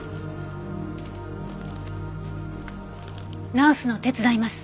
直すの手伝います。